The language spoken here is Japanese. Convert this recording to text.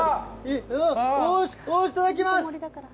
おー、いただきます。